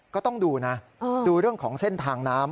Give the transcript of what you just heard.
ก็ต้องดูนะดูเรื่องของเส้นทางน้ำ